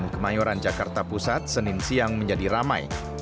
kemayoran jakarta pusat senin siang menjadi ramai